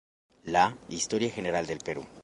La "Historia General del Perú.